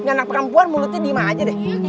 anak perempuan mulutnya gimana aja deh